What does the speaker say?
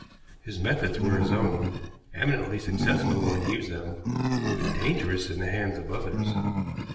His methods were his own, eminently successful when he used them, but dangerous in the hands of others.